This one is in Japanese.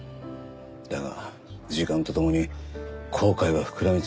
だが時間と共に後悔は膨らみ続ける。